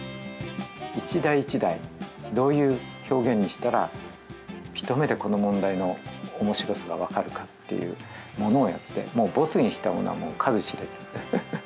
１題１題どういう表現にしたら一目でこの問題のおもしろさが分かるかっていうものをやってボツにしたものは数知れず。